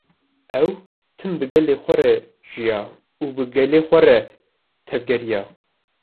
Ew tim bi gelê xwe re jiya û bi gelê xwe re tevgeriya